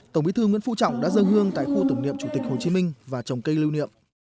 tổng bí thư nguyễn phụ trọng đã dơ hương tại khu tổng niệm chủ tịch hồ chí minh và trồng cây lưu niệm